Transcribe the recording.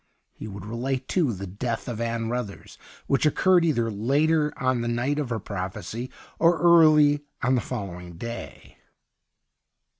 He would relate, too, the death of Ann Ruthers, which occurred either later on the night of her prophecy or early on the following day.